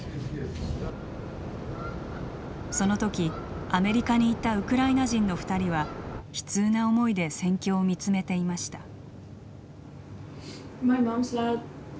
そのとき、アメリカにいたウクライナ人の２人は悲痛な思いで戦況を見つめていました。